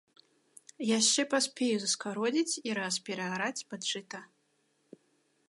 Яшчэ паспею заскародзіць і раз пераараць пад жыта.